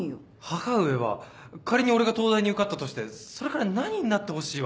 母上は仮に俺が東大に受かったとしてそれから何になってほしいわけ？